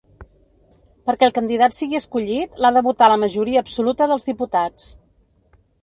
Perquè el candidat sigui escollit, l’ha de votar la majoria absoluta dels diputats.